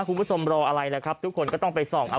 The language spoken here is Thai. คุณผู้ชมรออะไรแหละครับทุกคนก็ต้องไปส่องเอา